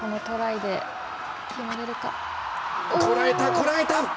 こらえた。